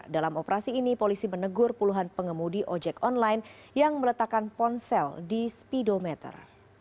dalam operasi ini polisi menegur puluhan pengemudi ojek online yang meletakkan ponsel di speedometer